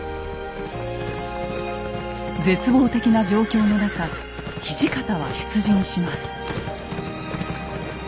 絶望的な状況の中土方は出陣します。